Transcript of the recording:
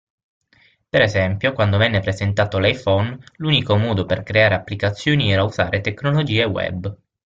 Per esempio, quando venne presentato l'iPhone, l'unico modo per creare applicazioni era usare tecnologie web.